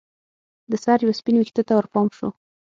د سر یوه سپین ویښته ته ورپام شو